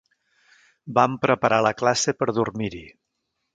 Vam preparar la classe per dormir-hi.